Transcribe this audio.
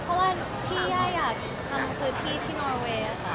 เพราะที่ย่ายอยากทำคือที่ที่นอเวย์